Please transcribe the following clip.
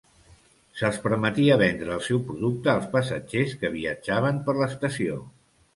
Se'ls permetia vendre el seu producte als passatgers que viatjaven per l'estació.